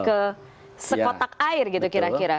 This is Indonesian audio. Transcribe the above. ke sekotak air gitu kira kira